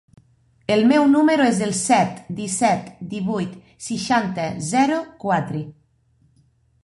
El meu número es el set, disset, divuit, seixanta, zero, quatre.